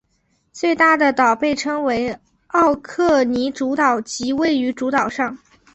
最大的岛被称为奥克尼主岛即位于主岛上。